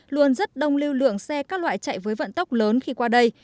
luôn rất đông lưu lượng xe các loại chạy với vận tốc lớn khi qua đây